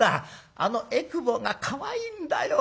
あのえくぼがかわいいんだよ。